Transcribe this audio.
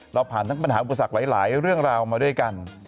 เราผ่านทั้งปัญหาอุปสรรคหลายเรื่องราวมาด้วยกัน